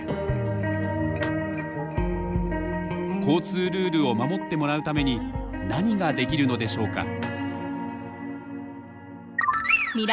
交通ルールを守ってもらうために何ができるのでしょうか？